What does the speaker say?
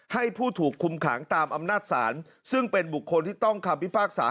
ให้ผู้ถูกคุมขังตามอำนาจศาลซึ่งเป็นบุคคลที่ต้องคำพิพากษา